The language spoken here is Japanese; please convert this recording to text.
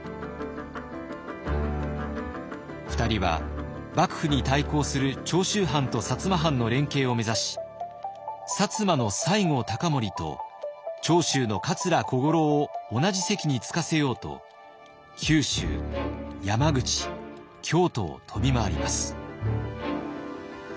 ２人は幕府に対抗する長州藩と摩藩の連携を目指し摩の西郷隆盛と長州の桂小五郎を同じ席につかせようと九州山口京都を飛び回ります。